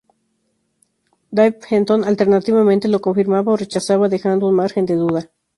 Dave Fenton alternativamente lo confirmaba o rechazaba dejando un margen de duda.